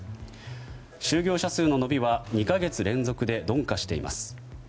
就業者数の伸びは２か月連続で鈍化しています。